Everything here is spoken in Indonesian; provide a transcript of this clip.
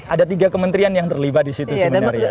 ada tiga kementerian yang terlibat di situ sebenarnya